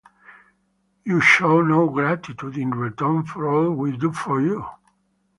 You show no gratitude in return for all we do for you.